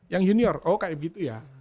yang junior oh kayak begitu ya